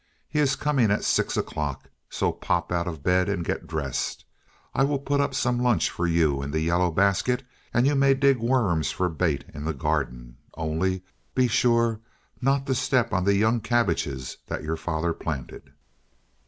He is coming at six o'clock; so pop out of bed and get dressed. I will put up some lunch for you in the yellow basket, and you may dig worms for bait in the garden. Only be sure not to step on the young cabbages that father planted."